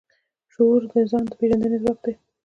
شعور د ځان د پېژندنې ځواک دی.